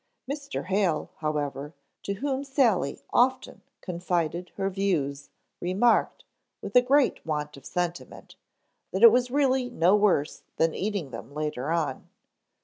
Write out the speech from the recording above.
Mr. Hale, however, to whom Sally often confided her views, remarked, with a great want of sentiment, that it was really no worse than eating them later on.